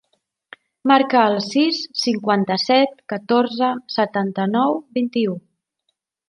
Marca el sis, cinquanta-set, catorze, setanta-nou, vint-i-u.